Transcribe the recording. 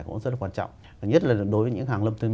cũng rất là quan trọng nhất là đối với những hàng